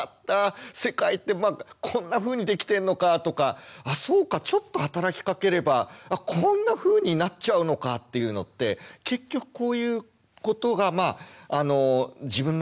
「世界ってこんなふうにできてんのか！」とか「あっそうかちょっと働きかければこんなふうになっちゃうのか」っていうのって結局こういうことが自分の中の自信につながってくわけですよね。